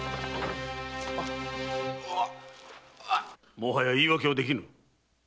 もはや言い訳はできぬ。